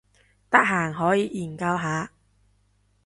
得閒可以研究下